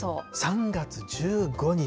３月１５日。